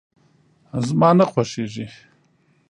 زما نه خوښيږي.